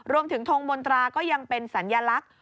ทงมนตราก็ยังเป็นสัญลักษณ์